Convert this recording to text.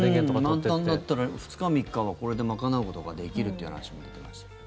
満タンだったら２日、３日はこれで賄うことができるっていう話も出てましたけど。